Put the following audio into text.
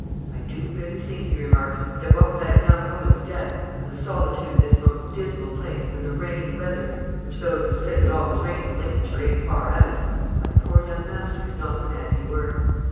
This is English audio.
"I do really think," he remarked, "that, what with that young 'ooman's death, and the solitood of this most dismal place, and the rainy weather, which those as says it always rains in Lincolnshire ain't far out, my poor young master is not the man he were."